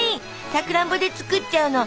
さくらんぼで作っちゃうの。